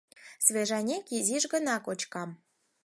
— Свежанек изиш гына кочкам.